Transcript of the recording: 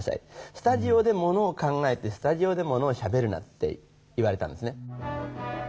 スタジオでものを考えてスタジオでものをしゃべるなって言われたんですね。